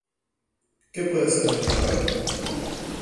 que puede ser muy grave